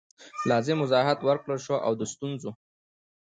لازم وضاحت ورکړل سو او د ستونزو